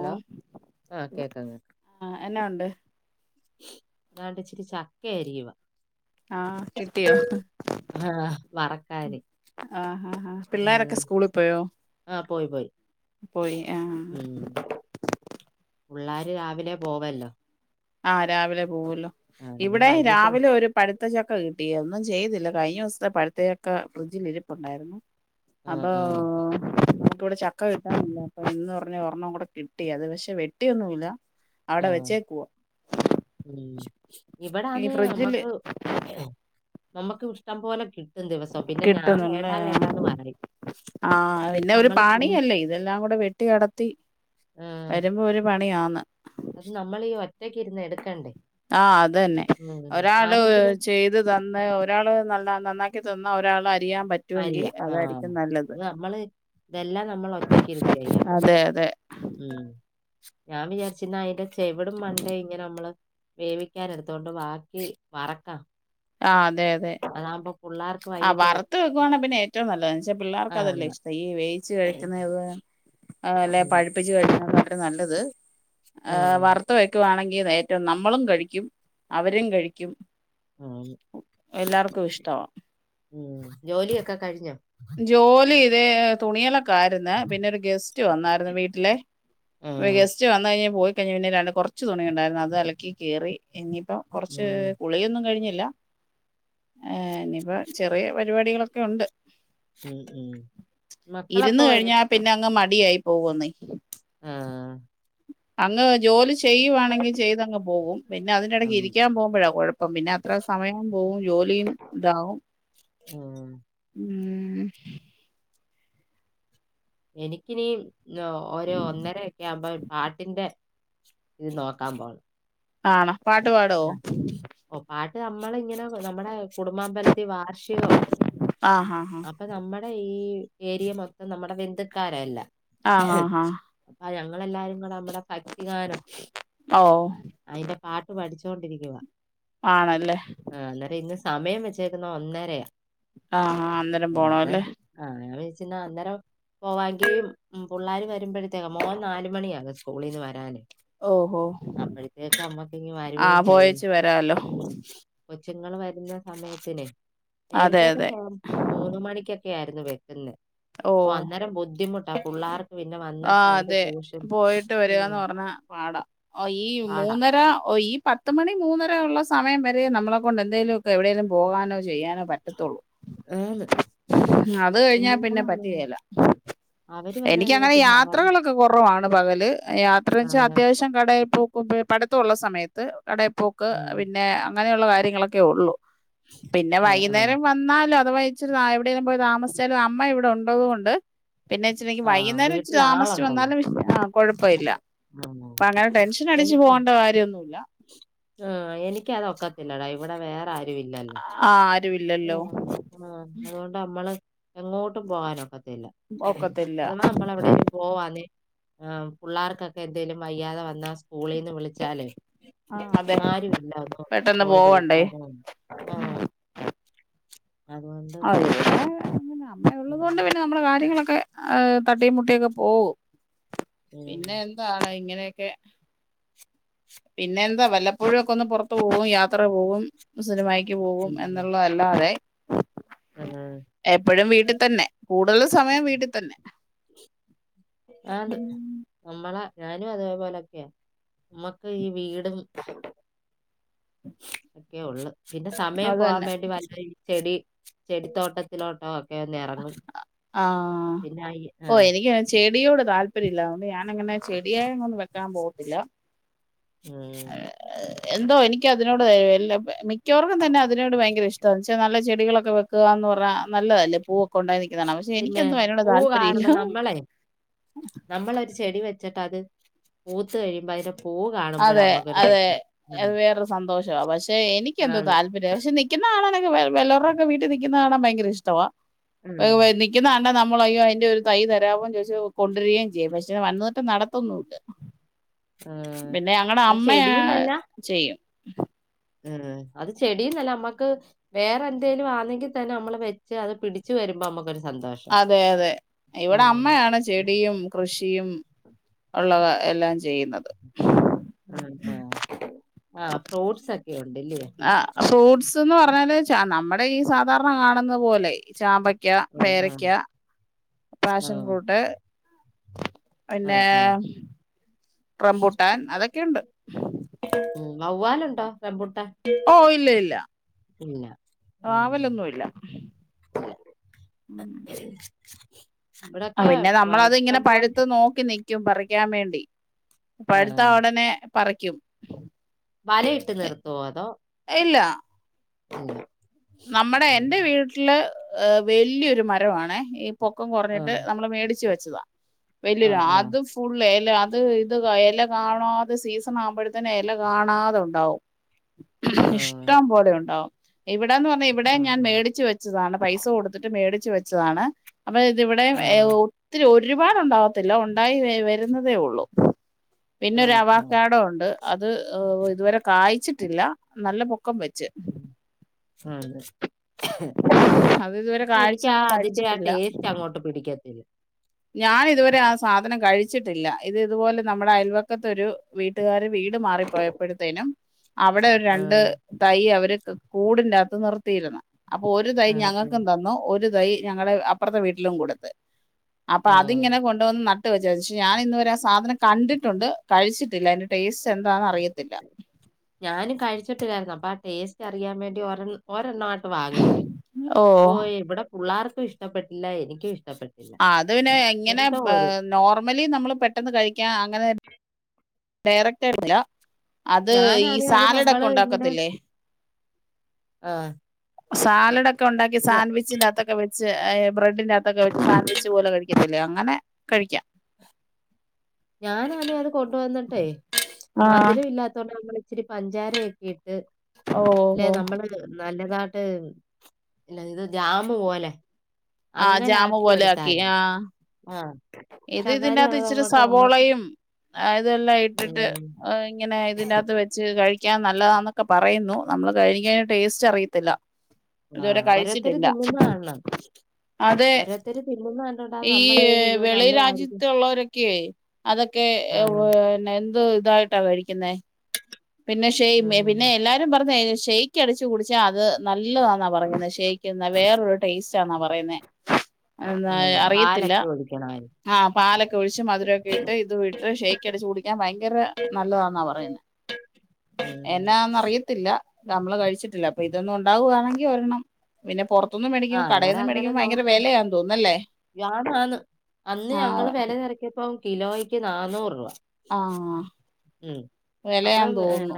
ഓ ആഹ് ആ എന്നാ ഉണ്ട്? ആ ണ്ട്ച്ചിരി ചക്ക അരിയുവ. ആ കിട്ടിയോ? ആഹ് വറക്കാന്. ആ ആ ആ പിള്ളേരൊക്കെ ഉം സ്കൂളിൽ പോയോ? ആഹ് പോയി പോയി. പോയി ആ. ഉം പുള്ളാര് രാവിലെ പോവല്ലോ. ആ രാവിലെ പോവല്ലോ. ആ, ഇനി ഇവിടെ വൈകിട്ട് വ രാവിലെ ഒരു പഠി ത്ത ചക്ക കിട്ടി ഒന്നും ചെയ്തില്ല കഴിഞ്ഞോസ്ത്തെ പഴുത്ത ചക്ക ഫ്രിഡ്ജിൽ ഇരിപ്പുണ്ടായിരുന്നു. ആഹ് അപ്പോ ആഹ് ഇപ്പോ ഇവിടെ ചക്ക കിട്ടാനില്ല അപ്പം എന്ന് പറഞ്ഞ് ഒരെണ്ണം കൂടെ കിട്ടി. അത് പക്ഷെ വെട്ടിയൊന്നുമില്ല. അവിടെ ആഹ് വെച്ചേക്കുവാ. ഉം ഈ ഇവിടാന്നെ ഫ്രിഡ്ജില് നമ്മക്ക് നമ്മക്ക് ഇഷ്ടം പോലെ കിട് കിട്ടുന്നുല്ലേ പറയും ആ എന്നിട്ട് പിന്നെ ഒരു നമ്മള് തിന്ന് പാണിയല്ലേ ഇതെല്ലാം കൂടെ വെട്ടി അടത്തി ആഹ് വരുമ്പോ ഒരു പണിയാന്ന്. അത് നമ്മളീ ഒറ്റക്കിര്ന്ന് എടുക്കണ്ടേ? ആ അതെന്നേ ഉം ഒരാള് ആരെങ്കിലും ചെയ്ത് തന്നെ ഒരാള് നല്ല നന്നാക്കി തന്ന ഒരാൾ അര് അരിയാം. ആ ഇത് നമ്മള് ഇതെല്ലാ നമ്മൾ ഒറ്റയ്ക്കിര്ന്ന് ചെയ്യണം അതെ അതെ ഉം. ഞാൻ വിചാരിച്ച്ന്നാ അയ്ൻ്റെ ചെവിടും മണ്ടയും ഇങ്ങനെ നമ്മള് വേവിക്കാൻ എടുത്തൊണ്ട് ബാക്കി വറക്കാം. ആ അതെ അതെ. അതാകുമ്പോ പിള്ളേർക്ക് ആഹ് വൈകിട്ട് വറുത്തു വെക്കുവാണെ പിന്നെ ഏറ്റവും നല്ലത. എന്ന് വെച്ചാ പിള്ളേർക്ക് ആ അതല്ലേ ഇഷ്ടം ഈ വേവിച്ച് കഴിക്കുന്നത് അല്ലെ ഉം, പഴിപ്പിച്ച് കഴിക്കുന്ന നല്ലത് ആ ഉം, വറുത് വെക്കുവാണെങ്കി നേറ്റവും നമ്മളും കഴിക്കും അവരും കഴിക്കും. ഉം, എല്ലാർക്കും ഇഷ്ടമാണ് ഉം ജോലിയൊക്കെ കഴിഞ്ഞോ ജോലി ദേ തുണിയൊക്കെ പിന്നെ ഒരു ഗസ്റ്റ് വന്നായിരുന്നു വീട്ടിലെ ഉം, ഗസ്റ്റ് വന്ന കഴിഞ്ഞഞ് പോയി പിന്നെ രണ്ട് കുറച്ച് തുണിുണ്ടായിരുന്നു അത് അലക്കി കേറി ഇനി ഇ കുറച്ച് ഉം, കുളിയൊന്നും കഴിഞി ല്ല ഇനിയിപ്പോ ചെറിയ പരിപാടികളൊക്കെ ഉണ്ട് ഉം ഉം മക്കളപ്പ ഇരുന്ന് വരും കഴിഞ്ഞാൽ [unintelligible] ആഹ അങ്ങ് ജോലി ചെയ്യുവാണെങ്കിൽ ചെയ്തങ്ങ് പോകും പിന്നെ അതിന്റെ ഇടയ്ക്ക് ഉം, ഇരിക്കാൻ പോകുമ്പോഴാ കുഴപ്പം പിന്നെ അത്ര സമയം പോവും ജോലിയും ഇതാവും ഉം. ഉം എനിക്കിനീ ഒരു ഒന്നര ഒക്കെ ആകുമ്പോ പാട്ടിന്റെ ഇത് നോക്കാമ്പോൾ ആണോ പാട്ട് പാടുമോ ഓ പാട്ട് നമ്മളിങ്ങനെ നമ്മുടെ കുടുംബാബലത്തി അ വാർഷികമാ ആ ഹാ ഹാ അപ്പൊ നമ്മുടെ ഈ ഏരിയ മൊത്തം നമ്മുടെ ബന്ധുക്കാരല്ലാ ആ ഹാ ഹാ പറയ [unintelligible] ഭക്തിഗാനം ഓ അതിന്റെ പാട്ട പഠിച്ചോൊണ്ടിരിക്കുവ ആണല്ലേ സമയം വെച്ചേക്കുന്ന ഒന്നരയാ ആഹ ആ അന്നേരം പോണ അല്ലേ പിന്ന അന്നേരം പോവാെങ്ക പിള്ളേർ വരുമ്പോഴത്തേക്ക മോൻ നാല് മണിയാ കും സ്കൂളിൽ നിന്ന് വരാാന് ഓഹോ ആ വരുവേം ചെയ്യുല്ലോ പോയേച്ച് വരാമല്ലോ കൊച്ചുങ്ങള് വരുന്ന സമയത്തിനേ അതെ നേരത്തെയൊക്കെ അതെ [unintelligible] മൂന്ന് മണക്ക്റ ക്കെ ആരുന്നു വെക്കു ഓ അന്നേരം ബുദ്ധി ആ പുള്ളാ ആ അതെ പോയിട്ട് ഉം വരികാന്ന് പറഞ്ഞാ പാടാ ഒ ഈ പാടാ മൂന്നര ഓ ഈ പത്തു മണി മൂന്നര സമയം വരെം നമ്മളെ കൊണ്ട് എന്തേലുവൊക്കെ എവിടേലും പോകാനോ ചെയ്യാനോ പറ്റത്തൊള്ളൂ ആന്ന് അത് കഴിഞ്ഞാ പിന്നെ കുഞ്ഞുങ്ങളാണ് പറ്റുകേല അവര് വന്നു കഴിയുമ്പോ എനികാ പിന്നെ അവർ യാത്രകളൊക്കെ കുറ പ്പ് ആണ് പകല് ആ, യാത്രെവെച്ചാ അത്യാവശ്യം കടേ പോം മ്പേ പഠുത്തവൊള്ള സമയത്ത് കടേപ്പോക്ക് ആ, പിന്നെ അങ്ങനെയൊള്ള കാര്യങ്ങളൊക്കെ ഒള്ളൂ പിന്നെ ആ, വയ്യുന്നേരം വന്നാലോ അഥവാ ഇച്ചിരി ആ എവിടേലും പോയി താമസിച്ചാലും അമ്മ ഇവിടെ ഉണ്ടതു കൊണ്ട് പിന്നെ അച്ഛമ്മക്ക് ആ, ആ. വയ്യുന്നരം താമിസിച്ച് വീട്ടിലാളുണ്ടല്ലോ വന്നാലും വി കൊഴപ്പവില്ല ആ. അപ്പൊ അങ്ങനെ ടെൻഷൻ അടിച്ച് എനിക്ക് പോവണ്ട കാര്യവൊന്നുവില്ല ആ എനിക്കതൊക്കത്തില്ലടാ ഇവിടെ വേറാരു വില്ലല്ലോ ആ ആരും ഇല്ലല്ലോ ആ അതൊണ്ട് അമ്മള് എങ്ങോട്ടും പോകാനൊക്കത്തില്ല ഒക്കത്തില്ല അഥവാ നമ്മളെവിടേലും പോവാന്നെ ആ പുള്ളാർക്കൊക്കെ എന്തേലും വയ്യാതെ വന്നാ സ്കൂളീന്ന് വിളിച്ചാലേ ആ അതെ ആരുവില്ല ഒന്നു പെട്ടെന്ന് പോയി പോവണ്ടേ വിളിക്കാനും ഒന്നും ആ അതുകൊണ്ട് അ ഇവിടെ പിന്നെ അമ്മ ഉം, ഉള്ളത് കൊണ്ട് പിന്നെ നമ്മടെ കാര്യങ്ങളൊക്കെ ആഹ് തട്ടിം മുട്ടിയൊക്കെ പോവും പിന്നെ ഉം, എന്താണ് ഇങ്ങനെ ക്കെ പിന്നെ എന്താ വല്ലപ്പോഴുംക്കെ ഒന്ന് പുറത്ത്പോവും യാത്ര പോവും സിനിമയ് ക്ക് പോവും ഉം, എന്നുള്ളതല്ലാതെ ആ. എപ്പഴും വീട്ടിത്തന്നെ കൂടുതല് സമയം വീട്ടിത്തന്നെ ആണ്ട് നമ്മളെ ഞാനും അതേപോലെക്കയാ മ്മക്ക് ഈ വീടും ഒക്കെയുള്ളൂ പിന്നെ സമയം അത് പോവാൻ തന്നെ വേണ്ടി വല്ല ഈ ചെടി ചെടിത്തോട്ടത്തിലോട്ടൊ ക്കെല്ലെ എറങ്ങും ആ പിന്നെ ഈ ആ ഓ എനിക്ക് ചെടിയോട് താല്പര്യല്ലാല്ലേ ഞാനങ്ങനെ ചെടിയായൊന്നും വെക്കാൻ പോവത്തില്ല ഉം ക്കതിനോട് ഏ എല്ലും മിക്കവാറും തന്നെ അതിനോട് ഭയങ്കര ഇഷ്ടവാ ന്ന്ച്ചാ നല്ല ചെടികളൊക്കെ വെക്കുവാന്ന് പറഞ്ഞാ ആ നല്ലതല്ലേ പൂ പിന്നെ പൂ കാണുന്ന നമ്മളെ നമ്മളൊരു ചെടി വെ ച്ചിട്ട് അത് പൂത്ത് കഴിയുമ്പോ അയിന്റെ അതെ അതെ ഉം. അഹ് വേറൊരു സന്തോഷവാ പക്ഷെ എനിക്കന്തോ ആണ്. താല്പര്യ പക്ഷെ നിക്കിന്ന കാണാനായ് യ്യോ വ വല്ലോരുടെക്കെ വീട്ടിൽ നിക്കിന്ന കാണാ ഭയങ്കര ഇഷ്ടവാ ഉം. [unintelligible] നിക്കിന്നകണ്ടാ ന മ്മളയ്യോ അയിന്റെ ഒരു തൈ തരാവോ ചോയിച്ച് കൊണ്ടുവരേയും ചെയ്യും പക്ഷെ വന്ന്ട്ട് നടത്തൊന്നുംല്ല പിന്നെ അങ്ങടെ അത് അമ്മയാ ചെടിയെന്നല്ല ചെയ്യും ഉം അത് ചെടീന്നല്ല നമ്മക്ക് വേറെന്തേലും ആണെങ്കിൽ തന്നെ നമ്മള് വെച്ച് അത് പിടിച്ച് വരുമ്പോ മ്മക്കൊര് അതെ അതെ ഇവിടെ അമ്മയാണ് ചെടിയും കൃഷിയും ഒള്ളത് എല്ലാം ചെയ്യുന്നത് ഉം ആഹ് ആഹ് ഫ്രൂട്ട്സ് ഒക്കെ ഉണ്ടല്ലേ? ആ ഫ്രൂട്ട്സ് ത്ത്ന്ന് പറഞ്ഞാല് ച ആ നമ്മടെ ഈ സാധാരണ കാണുന്നപോലെ ചാമ്പയ്ക്ക, ആ ആ പേരക്ക, ആ പാഷൻ ഫ്രൂട്ട് ആ പിന്നെ ആ റംമ്പുട്ടാൻ അതൊക്കെയുണ്ട് ഉം വവ്വാലുണ്ടോ റമ്പുട്ടാ ഓ ഇല്ല ഇല്ല ഉം. വാവലൊന്നുയില്ല ആ ഇവിടൊക്കെ പിന്നെ വ- നമ്മളത്ങ്ങനെ ഇഷ്ടം പോലെ പഴുത്ത് നോക്കി നി ക്ക്യും പറിയ്ക്കാൻ വേണ്ടി ആ പഴുത്താ ഒടനെ പറക്ക്യും വലയിട്ട് നിർത്തുവോ അതോ [inaudible] നമ്മടെ ഉം. എന്റെ വീട്ടില് വല്യ ഒരുമരവാണേ ഇ പൊക്കം ആ കുറഞ്ഞിട്ട് നമ്മള് മേടിച്ച് വെച്ച് ച്ചിതാ ആ വല്യൊര ആ ആ അത് ഫുൾ എ ല്ല അത് ഇത് ക എല കാണാതെ സീസൺ ആവുമ്പോഴ്ത്തേന് എല കാണാതെ ഉണ്ടാവും ആ ഇഷ്ടം പോലെ ഉണ്ടാവും ഇവിട് വ്ടേന്ന് പറഞ്ഞാ ഇവിടെ ആ ഞാൻ മേടിച്ച് വച്ചതാണ് പൈസ കൊടുത്തിട്ട് മേടി ച്ച് വെച്ചതാണ് അപ്പം ഇതിവിടെ എ ഒത്തിരി ഒര് ഒരുപാടുണ്ടാവത്തില്ല ഉണ്ടായി വേരുന്നതേ ഒള്ളൂ ആ ആ പിന്നൊരു അവാക്കാടൊ ഉണ്ട് അത് ഇതുവരെ കായ്ച്ചിട്ടില്ല നല്ല പൊക്ക ക്കം വെച്ച് ഫാൻറ്റൈ അത് ഇതുവരെ കാഴ്ച എനിക്കാ നമ്മൾ അതിന്റെ ആ കഴിച്ചിട്ടില്ല ടേസ്റ്റ് അങ്ങോട്ട് പിടിക്കത്തില്ല ഞാനിതുവരെ ആ സാധനം കഴിച്ചിട്ടില്ല ഇത് ഇതുപോലെ നമ്മളെ അയൽവക്കത്തൊരു വീട്ടുകാര് വീട് ട് മാറിപ്പോയപ്പഴ്ത്തേനും അവിടൊരു ആ രണ്ട് തൈ അവര് ത് കൂടിന്റാത്ത് നിർത്തിയിരുന്ന അപ്പൊ ഒരു തൈ ആ ആ ഞങ്ങക്കും തന്നു ഒരു തൈ ഞങ്ങടെ അപ്പ് അപ്പർത്തെ വീട്ടിലും കൊടുത്ത് അപ്പൊ ആ അതിങ്ങനെ കൊണ്ടോന്ന് നട് വിചാരിച്ചു ഞാനിന്ന് വരെ ആ സാധനം കണ്ടിട്ടുണ്ട് കഴിച്ചിട്ടില്ല അയിന്റെ ടേസ്റ്റ് എന്താന്ന് അറിയത്തില്ല ഞാനും കഴിച്ചിട്ടില്ലായിരുന്നു അപ്പൊ ആ ടേസ്റ്റ് അറിയാൻ വേണ്ടി ഒരെ ഒരെണ്ണം പ്പൊ വാങ്ങിച്ച് ഓ ഏവടെപ്പ് പുള്ളാർക്കും ഇഷ്ടപ്പെട്ടില്ല എനിക്കും ഇഷ് ആ അത് പിന്നെ എങ്ങെനെ പേ നോർമലി നമ്മള് പെട്ടെന്ന് കഴിക്ക്യാ അങ്ങനെ ഡയറക്ടായിട്ടില്ല അത് ഈ ഞാനാണെങ്കിൽ അത് സാലഡ് നമ്മൾ ഒക്കെ ഇങ്ങനെ ഉണ്ടാക്കത്തില്ലേ ആ സാലഡൊക്ക് ക്കെ ഉണ്ടാക്കി ഞ സാൻഡ്‌വിച്ചിന്റാത്തൊക്കൊ വെച്ച് ബ്രെഡിന്റാത്ത് [unintelligible] സാൻവിച്ച് പോലെ കഴിക്കത്തില്ലേ അങ്ങനെ കഴിക്കാം ഞാനാലും അത് കൊണ്ടുവന്നിട്ടെ ആഹ് മധുരം ഇല്ലാത്തത് കൊണ്ട് ഇത്തിരി പഞ്ചാരയൊക്കെ ഇട്ട് ഓ ല്ലെ ഓ നമ്മള് നല്ലതാണ് [unintelligible] ഇല്ല ഇത് ജാമ് പോലെ ആഹ് അങ്ങനെ ജാമു പോലെ ആക്കി എടുത്തായിരുന്നു ആ ആ ഇത് പക്ഷെ എന്നാലും ഇതിന്റകത്ത് ഇച്ചിരി അതങ്ങോട്ട് നമ്മക്ക് സവോളയും ഇതെല്ലാം ഇട്ടിട്ട് ഉം, ഇങ്ങനെ ഇതിനകത്ത് വെച്ച് കഴിക്ക കഴിക്കാൻ നല്ലതാന്നൊക്കെ പറയുന്നു നമ്മള് കഴിക്കാതെ ടേസ്റ്റ് അറിയത്തില്ല ആ ഇതുവരെ ഓരോരുത്തര് കഴിച്ചിട്ടില്ല തിന്നുന്ന കാണണം അത് ഓരോരുത്തര് തിന്നുന്ന കണ്ടോണ്ടാ ഈ നമ്മൾ ചെയ്ത് അയ്യോ വെളി നല്ലതായിരിക്കും രാജ്യത്തള്ളവരൊക്കെ അതൊക്കെ ആ, പിന്നെ എന്ത് [unintelligible] എന്ത് ഇതായിട് മേടിക്കുന്നേ പിന്നെ ഷൈയിം [unintelligible] ഉം, പിന്നെ എല്ലാരും പറഞ്ഞ [unintelligible] ഷെയ്ക്ക് അടിച്ച് കുടിച്ചാ അത് നല്ലതാന്നാ പറയുന്നത് ഷെയ്ക് വേറൊരു ടേസ്റ്റ് [unintelligible] പറയുന്നേ ആന്ന് അറിയത്തില്ല പാലൊക്കെ ഒഴിക്കണമായിരുന്നു ആഹപാലൊക്കെ ഒഴിച്ച് മധുരമൊക്കെ ഇട്ട് ഇത് ഇട്ട് ഷേക്ക് അടിച്ചു കുടിക്കാൻ ഭയങ്കര നല്ലതാന്നാ പറയുന്ന് ഉം. എന്നാത് അറിയത്തില്ല നമ്മള് കഴിച്ചിട്ടില്ല അപ്പൊ ഇതൊന്നും ഉണ്ടാവുകയാണെങ്കി ഒരെണ്ണം പിന്നെ പുറത്ത് ആ അന്നേരം അങ്ങനെ നോക്ക്. [unintelligible] തോന്നുന്നല്ലേ ആന് അന് ആ ഞങ്ങള് വില തിരക്കിയപ്പോ കിലോയ്ക്ക് നാഞ്ഞൂറ് രൂപ ആഹ ഉം വിലയാന്ന് തോന്നുന്നു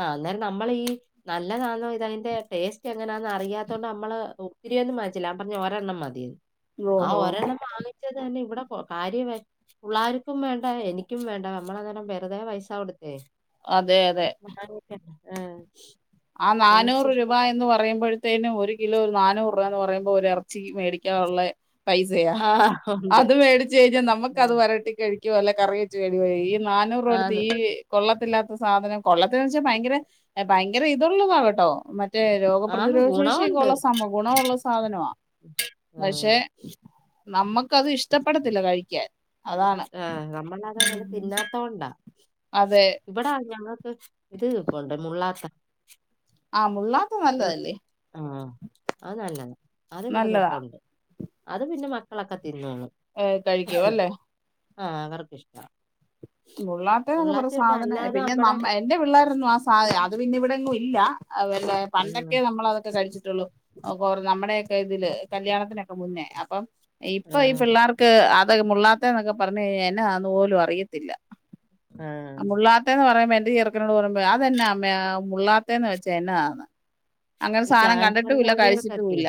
ആഹ അന്നേരം നമ്മൾ ഈ നല്ലതാന്നോ ഇതതിന്റെ ടേസ്റ്റ് എങ്ങനാ അറിയാത്തോണ്ട് നമ്മള് ഒത്തിരി ഒന്നും വാങ്ങിച്ചില്ല ഞാൻ പറഞ്ഞ് ഒരെണ്ണം മതിയെന്ന് ആ ഓഹോ ഒരെണ്ണം [unintelligible] [unintelligible] തന്നെ ഇവിടെ [unintelligible] പിള്ളാർക്കും വേണ്ട എനിക്കും വേണ്ട നമ്മളന്നേരം വെറുതെ പൈസ കൊടുത്തേ അതെ അതെ ആഹ ആ നാഞ്ഞൂറ് രൂപ എന്ന് പറയുമ്പോഴത്തേനും ഒരു കിലോ നാനൂറ് രൂപ എന്ന് പറയുമ്പോൾ ഒരു ഇറച്ചി മേടിക്കാനുള്ള പൈസയാ ആ ഉണ്ട് അത് മേടിച്ച് കഴിഞ്ഞാ നമുക്കത് ഉം. വരട്ടി കഴി ക്ക്‌ വല്ല കറിവെച്ചു [unintelligible] നാനൂറ് രൂപ കൊടുത്ത് ആന്ന് ഈ കൊള്ളത്തില്ലാത്ത സാധനം കൊള്ളത്തില്ലാന്ന് വെച്ചാ ഭയങ്കര ഭയങ്ക വേറെ ഇതൊള്ളതാ കേട്ടോ മറ്റ് മറ്റേ ആന്ന് രോഗപ്രതിരോധ ശേഷിയൊക്കെ ഗുണമുണ്ട് ഉള്ള സംഭ ഗുണമുള്ള സാധനമാ ഉം. പക്ഷെ നമ്മക്കത് ഇഷ്ടപ്പെടത്തില്ല കഴിക്കാൻ അതാണ് ആ നമ്മള് അതങ്ങനെ ഉം തിന്നാത്തോണ്ടാ അതെ ഇബടാ ഞങ്ങ ഇത് ഇരിപ്പുണ്ട് മുള്ളാത്ത ആഹ് മുള്ളാത്ത ഉം. നല്ലതല്ലേ ആ അത് നല്ലതാ അതിവിടെ നല്ലതാ നിപ്പോണ്ട് അത് പിന്നെ മക്കളൊക്കെ തി ഏ കഴിക്കുവല്ലോ ആഹ് അവർക്ക്‌ ഇഷ്ടാ മുള്ളാത്ത എന്ന് പറഞ്ഞ സാധന അല്ലാതെ പിന്നെ നമ്മടെ നമ്മഎന്റെ പിള്ളാരൊന്നും ആ സാധ അത് പിന്നെ ഇവിടെങ്ങും ഇൽ ഇല്ല അതെല്ലാ ഉം പണ്ടൊക്കെ നമ്മള് അതൊക്കെ കഴിച്ചിട്ടുള്ളൂ അതുപോലെ നമ്മടെ ഇതില് കല്യാണത്തിനൊക്കെ മുന്നേ അപ്പം ഇപ്പൊ ഈ ആഹ് പിള്ളാർക്ക് അത് ഇപ്പോ ഈ മുള്ളാത്തെന്നൊക്കെ പറഞ്ഞ് കഴിഞ്ഞാ എന്നതാന്ന് പോലും അറിയത്തില്ല ആഹ് മുള്ളാത്തെന്ന് പറയുമ്പോ ന്റെ ചെറുകനോട് പറുമ്പോ അതെന്നാ അമ്മേ മുള്ളാത്തേന്ന് വെച്ചാ എന്നതാന്ന് അങ്ങനെ ഈ സാധനം ക്യാൻസർ കണ്ടിട്ടുമില്ല രോഗികൾക്കൊക്കെ കഴിച്ചിട്ടുമില്ല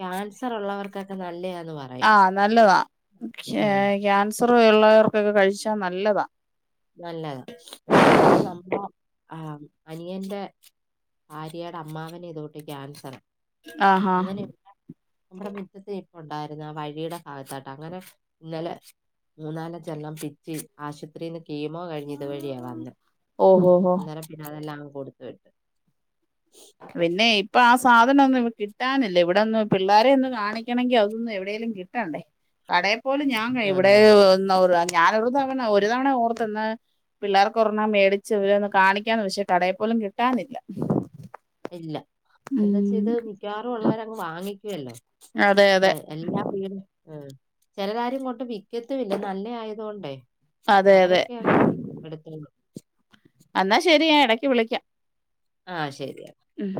ക്യാൻസർ ഉള്ളവർക്ക് ക്കൊക്കെ നല്ലയാ ആഹ് നല്ലതാ ഞാൻ ആഹ് [unintelligible] സർർ ഉള്ളവർക്കൊക്കെ കഴിച്ചാ നല്ലതാ നല്ലതാ അങ്ങനെ ഇപ്പ നമ്മുടെ ആ അനിയന്റെ ഭാര്യയുടെ അമ്മാവന് ഇതുകൂട്ട് ക്യാൻസറാ ആഹ് ഹാ അങ്ങനെ നമ്മുടെ മുറ്റത്ത് നിപ്പുണ്ടായിരുന്ന്ആ വഴിയുടെ ഭാഗത്തായിട്ട് അങ്ങനെ ഇന്നലെ മൂന്നാലാഞ്ചെണ്ണം പിച്ചി ആശുപത്രിന്ന് കീമോ കഴിഞ്ഞ് ഇത് വഴിയാ വന്നേ ഓഹോ ഹോ അന്നേരം പിന്നെ അതെല്ലാം കൊട്ത്ത് വിട്ട് പിന്നെ ഇപ്പൊ ആ സാധനം ഒന്നും കിട്ടാനില്ല ഇവിടൊന്നും പിള്ളാരെ യൊന്ന് കാണിക്കണെങ്കി അതൊന്നും എവിടെയേലും കിട്ടണ്ടേ കട എപ്പോളും ഞാൻ വേണം ഉം ഇവിടുന്നോരൽപ്പം ഞാനൊരു തവണ ഒരു തവണ ഓർത്തന്ന പിള്ളേർക്ക് ഒരെണ്ണം മേടിച്ച് ഇവരെ ഒന്ന് കാണിക്കാന്ന് വെച്ച കടയിൽ പോലും കിട്ടാനില്ല ഇല്ല എന്തച്ചാ ഉം ഇത് മിക്കവാറും ഉള്ളവരങ്ങ് വാങ്ങിക്കും. ക്കുവല്ലോ അതെ അതെ എല്ലാ വീടും ചെലരാരും ഇങ്ങോട്ട് വിക്കത്തുല്ല നല്ലയായത് കൊണ്ടേ അതെ അതെ അവരൊക്കെ എടുത്തോളും [inaudible] എന്നാ ശരി ഞാൻ ഇടക്ക് വിളിക്കാം ആഹ് ശെരി ഉം